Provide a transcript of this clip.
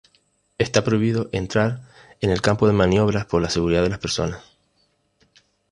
Está prohibido entrar en el campo de maniobras por la seguridad de las personas.